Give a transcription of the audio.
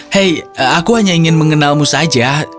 hei aku hanya ingin mengenalmu saja